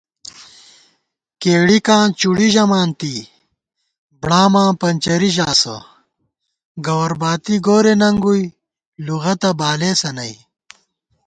کېڑِکاں چُوڑی ژَمانتی، بڑاماں پنچَرِی ژاسہ * گوَر باتی گورے ننگُوئی لُغَتہ بالېسہ نئ